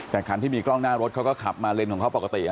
แต่คันที่มีกล้องหน้ารถเขาก็ขับมาเลนของเขาปกติ